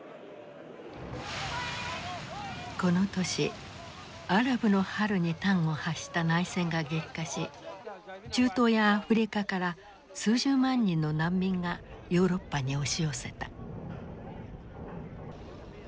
この年アラブの春に端を発した内戦が激化し中東やアフリカから数十万人の難民がヨーロッパに押し寄せた。